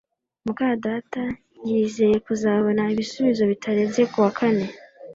muka data yizeye kuzabona ibisubizo bitarenze kuwa kane